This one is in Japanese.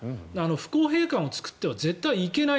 不公平感を作っては絶対いけない。